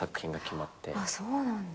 あっそうなんだ。